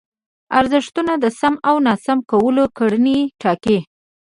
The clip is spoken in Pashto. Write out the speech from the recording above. ارزښتونه د سم او ناسم کولو کړنې ټاکي.